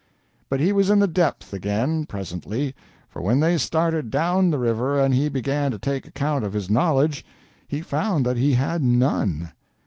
But he was in the depths again, presently, for when they started down the river and he began to take account of his knowledge, he found that he had none.